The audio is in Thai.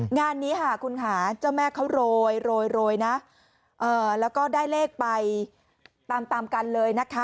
งานนี้ค่ะคุณค่ะเจ้าแม่เขาโรยนะแล้วก็ได้เลขไปตามตามกันเลยนะคะ